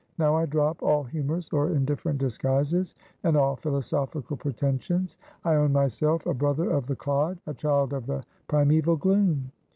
Now I drop all humorous or indifferent disguises, and all philosophical pretensions. I own myself a brother of the clod, a child of the Primeval Gloom.